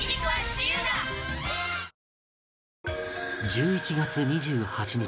１１月２８日